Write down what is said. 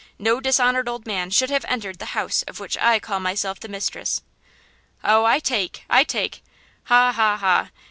No dishonored old man should have entered the house of which I call myself the mistress!" "Oh, I take! I take! ha ha ha!